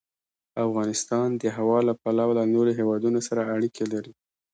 افغانستان د هوا له پلوه له نورو هېوادونو سره اړیکې لري.